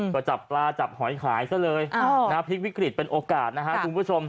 ก็จับปลาจับหอยขายซะเลยพลิกวิกฤตเป็นโอกาสนะฮะคุณผู้ชม